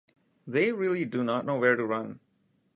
They really do not know where to run.